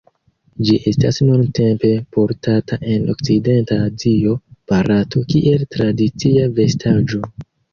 Ĝi estas nuntempe portata en okcidenta Azio, Barato, kiel tradicia vestaĵo.